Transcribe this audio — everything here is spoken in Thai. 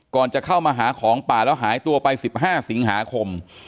ก่อนจะเข้ามาหาของป่าแล้วหายตัวไป๑๕สิงหาคม